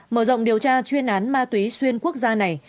mở rộng điều tra chuyên án ma túy xuyên quốc gia này